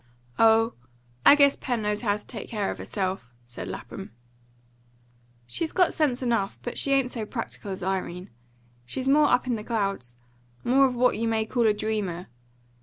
"Oh, I guess Pen'll know how to take care of herself," said Lapham. "She's got sense enough. But she ain't so practical as Irene. She's more up in the clouds more of what you may call a dreamer.